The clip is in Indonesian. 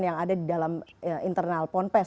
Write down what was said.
yang ada di dalam internal ponpes